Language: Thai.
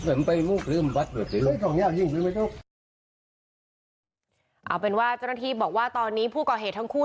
เอาเป็นว่าเจ้าหน้าที่บอกว่าตอนนี้ผู้ก่อเหตุทั้งคู่